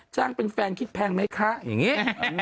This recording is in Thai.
จ้างเป็นแฟนคิดแพงไหมคะอย่างนี้